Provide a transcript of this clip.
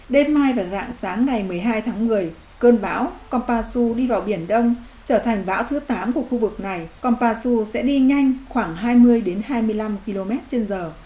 đêm mai và rạng sáng ngày một mươi hai tháng một mươi cơn bão kompasu đi vào biển đông trở thành bão thứ tám của khu vực này kompasu sẽ đi nhanh khoảng hai mươi đến hai mươi năm km trên giờ đến quần đảo hoàng sa đạt cấp một mươi một mươi một thậm chí giật trên cấp một mươi ba